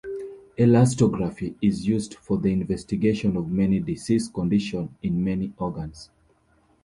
Elastography is used for the investigation of many disease conditions in many organs.